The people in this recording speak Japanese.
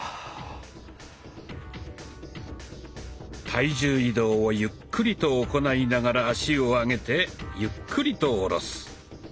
体重移動をゆっくりと行いながら足を上げてゆっくりと下ろす。